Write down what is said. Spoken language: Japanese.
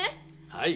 はい。